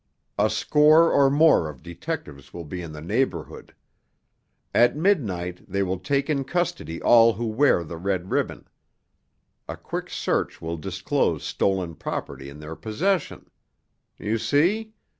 A score or more of detectives will be in the neighborhood. At midnight they will take in custody all who wear the red ribbon. A quick search will disclose stolen property in their possession. You see?